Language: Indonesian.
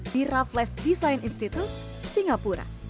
di raffles design institut singapura